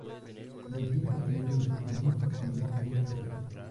Me hicieron su líder incluso cuando no pedí serlo.